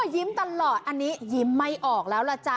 ยิ้มตลอดอันนี้ยิ้มไม่ออกแล้วล่ะจ๊ะ